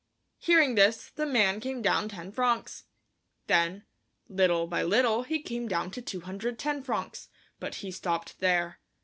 Hearing this, the man came down ten francs. Then, little by little, he came down to 210 francs, but he stopped there.